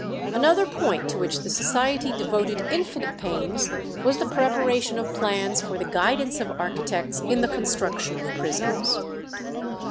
Another point to which the Society devoted infinite pains was the preparation of plans for the guidance of architects in the construction of prisons.